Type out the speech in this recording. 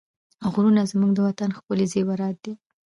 غرونه زموږ د وطن ښکلي زېورات دي.